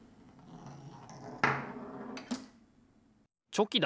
チョキだ！